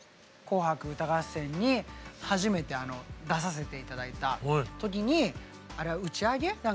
「紅白歌合戦」に初めて出させて頂いた時にあれは打ち上げ？